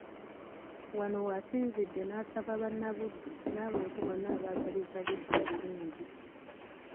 Wano w'asinzidde n'asaba Bannabuddu n'abantu bonna abaagaliza Buddu ebirungi.